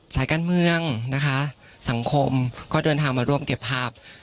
สายการเมืองนะคะสังคมก็เดินทางมาร่วมเก็บภาพ